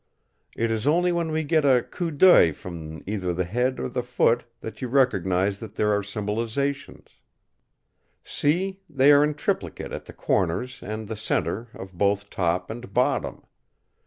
It is only when we get a coup d'oeil from either the head or the foot that you recognise that there are symbolisations. See! they are in triplicate at the corners and the centre of both top and bottom.